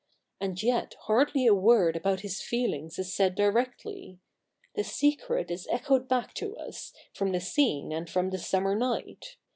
And yet hardly a word about his feelings is said directly. The secret is echoed back to us from the scene and from the summer night.